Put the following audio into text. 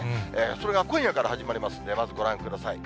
それが今夜から始まりますんで、まずご覧ください。